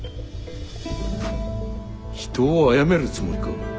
人をあやめるつもりか？